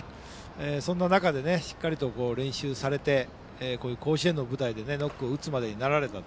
そんな中でしっかりと練習されて甲子園の舞台でノックを打つまでになられた。